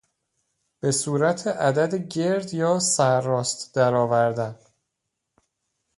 به صورت عدد گرد یا سر راست درآوردن